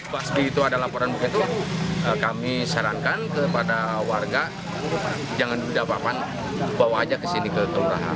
pas itu ada laporan begitu kami sarankan kepada warga jangan dudah bapan bawa aja kesini ke kelurahan